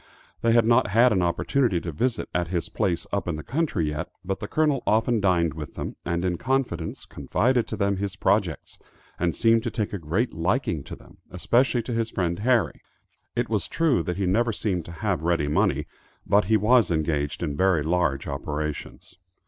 They had not had an opportunity to visit at his place "up in the country" yet, but the Colonel often dined with them, and in confidence, confided to them his projects, and seemed to take a great liking to them, especially to his friend Harry. It was true that he never seemed to have ready money, but he was engaged in very large operations.